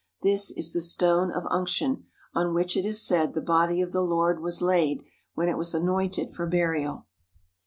This is the Stone of Unction on which it is said the body of the Lord was laid when it was anointed for burial.